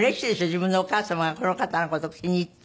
自分のお母様がこの方の事を気に入って。